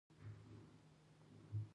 افغانستان د سیلابونه لپاره مشهور دی.